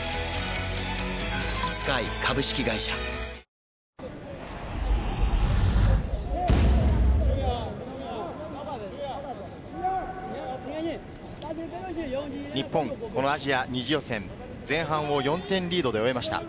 今、解説、見事な解説を日本、このアジア２次予選、前半を４点リードで終えました。